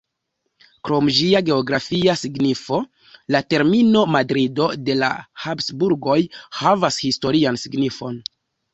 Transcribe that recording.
Krom ĝia geografia signifo, la termino "Madrido de la Habsburgoj" havas historian signifon.